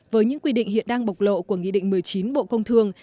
với những quy định hiện đang bộc lộ của nghị định một mươi chín bộ công thương